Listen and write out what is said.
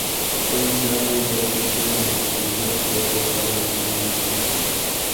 Fue empleada igualmente en el servicio de "correo postal" en España e Italia.